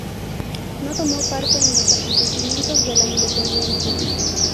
No tomó parte en los acontecimientos de la independencia.